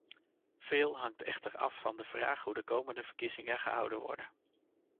Veel hangt echter af van de vraag hoe de komende verkiezingen gehouden worden.